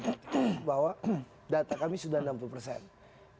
berarti cuma waktu tadi ini